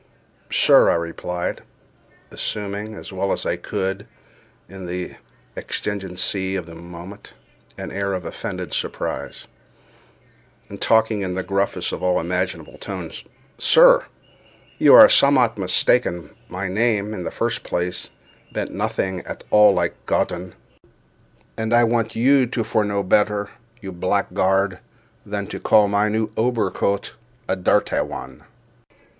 "Sir!" I replied, assuming, as well as I could, in the exigency of the moment, an air of offended surprise, and talking in the gruffest of all imaginable tones—"sir! you are a sum'mat mistaken—my name, in the first place, bee'nt nothing at all like Goddin, and I'd want you for to know better, you blackguard, than to call my new obercoat a darty one."